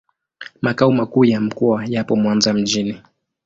Makao makuu ya mkoa yapo Mwanza mjini.